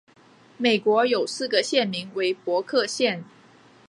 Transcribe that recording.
美国有四个县名为伯克县。